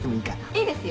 いいですよ。